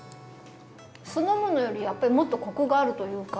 酢の物よりやっぱりもっとコクがあるというか。